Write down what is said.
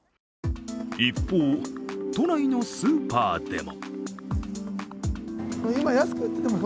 一方、都内のスーパーでも。